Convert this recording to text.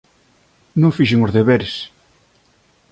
Non fixen os deberes